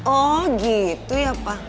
oh gitu ya pak